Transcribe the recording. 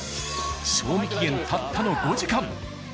賞味期限たったの５時間。